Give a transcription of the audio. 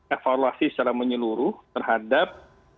evaluasi secara menyeluruh terhadap